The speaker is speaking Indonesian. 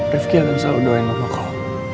rifki akan selalu doain sama kau